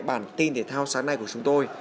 bản tin thể thao sáng nay của chúng tôi